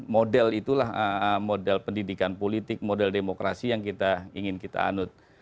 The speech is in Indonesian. model itulah model pendidikan politik model demokrasi yang kita ingin kita anut